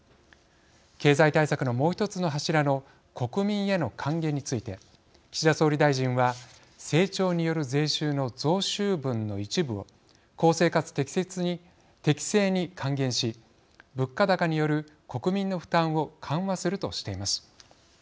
経済対策のもう１つの柱の国民への還元について岸田総理大臣は成長による税収の増収分の一部を公正かつ適正に還元し物価高による国民の負担を緩和するとしています。